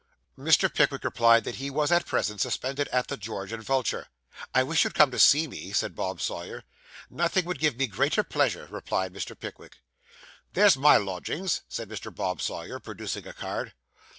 Mr. Pickwick replied that he was at present suspended at the George and Vulture. 'I wish you'd come and see me,' said Bob Sawyer. 'Nothing would give me greater pleasure,' replied Mr. Pickwick. 'There's my lodgings,' said Mr. Bob Sawyer, producing a card.